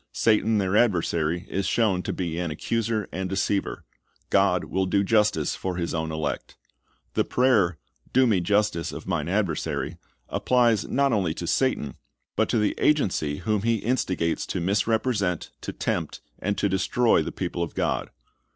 Satan their adversary is shown to be an accuser and deceiver. God will do justice for His own elect. The pra)'er, "Do me justice of mine adversary," applies tiot only to Satan, but to the agencies whom he instigates to misrepresent, to tempt, and to destroy the people of God.